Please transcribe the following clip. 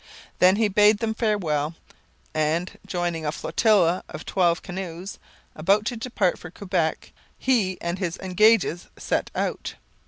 Then he bade them farewell; and, joining a flotilla of twelve canoes about to depart for Quebec, he and his engages set out.